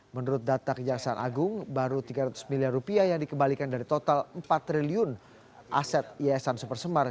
menurut data kejaksaan agung baru tiga ratus miliar rupiah yang dikembalikan dari total empat triliun aset yayasan supersemar